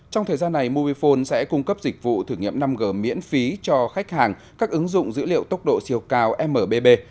trong thời gian này mobifone sẽ cung cấp dịch vụ thử nghiệm năm g miễn phí cho khách hàng các ứng dụng dữ liệu tốc độ siêu cao mbb